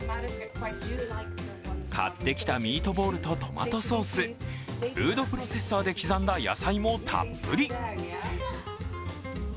買ってきたミートボールとトマトソースフードプロセッサーで刻んだ野菜もたっぷり。